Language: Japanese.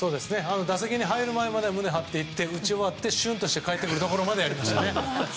打席に入る前までは胸を張って行って打ち終わって、しゅんとして帰ってくるところまでやりましたね。